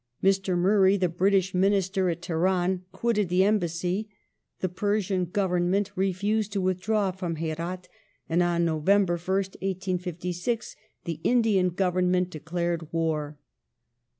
Mr. Mun ay, the British Minister at Teheran, quitted the Embassy ; the Pei sian Government refused to withdraw from Herdt, and on November 1st, 1856, the Indian Government declared war.